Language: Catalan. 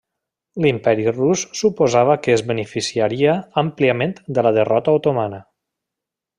L'Imperi rus suposava que es beneficiaria àmpliament de la derrota otomana.